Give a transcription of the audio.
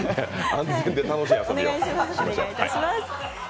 安全で楽しい遊びをしましょう。